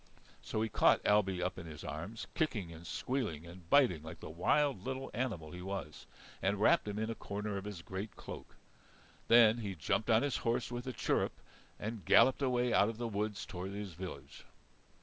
So he caught Ailbe up in his arms, kicking and squealing and biting like the wild little animal he was, and wrapped him in a corner of his great cloak. Then he jumped on his horse with a chirrup and galloped away out of the woods toward his village.